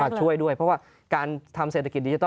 ช่วยด้วยเพราะว่าการทำเศรษฐกิจดิจิท